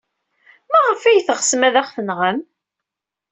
Maɣef ay teɣsem ad aɣ-tenɣem?